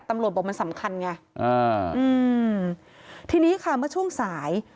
ตำรวจบอกมันสำคัญไงอ่าอืมทีนี้ค่ะเมื่อช่วงสาย